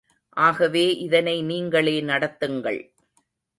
ஆகவே இதை நீங்களே நடத்துங்கள்.